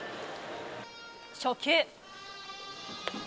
初球。